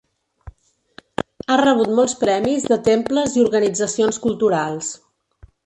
Ha rebut molts premis de temples i organitzacions culturals.